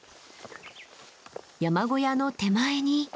山小屋の手前に。